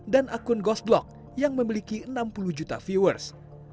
dan akun ghostblock yang memiliki enam puluh juta viewers